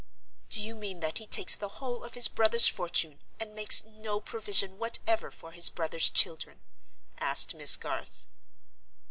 "Do you mean that he takes the whole of his brother's fortune, and makes no provision whatever for his brother's children?" asked Miss Garth.